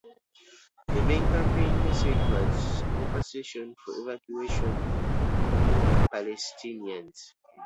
The main campaign message was Compensation for Evacuation of Palestinians.